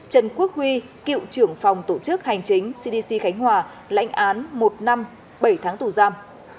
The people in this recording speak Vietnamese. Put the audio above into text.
trần quốc huy cựu trưởng phòng tổ chức hành chính cdc khánh hòa lãnh án một năm bảy tháng tù giam